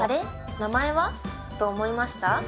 名前は？」と思いました？